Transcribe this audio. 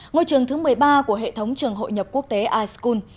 ngôi trường thứ một mươi ba của hệ thống trường hội nhập quốc tế ischool